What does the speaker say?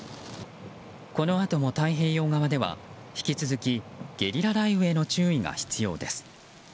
このあとも、太平洋側では引き続きゲリラ雷雨への注意が必要です。